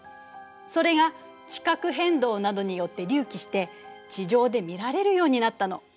それが地殻変動などによって隆起して地上で見られるようになったの。